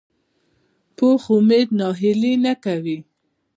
پوخ امید ناهیلي نه کوي